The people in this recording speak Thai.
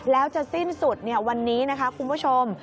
แล้วจะสิ้นสุดวันนี้นะคะคุณผู้ชม